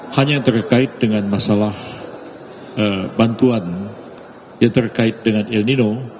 hanya yang terkait dengan masalah bantuan yang terkait dengan ilnino